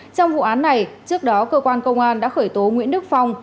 trong vụ án này trước đó cơ quan công an đã khởi tố nguyễn đức phong